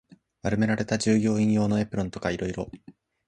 丸められた従業員用のエプロンとか色々